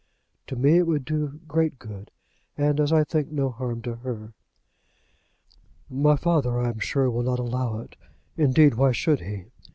"To me it would do great good, and, as I think, no harm to her." "My father, I am sure, will not allow it. Indeed, why should he?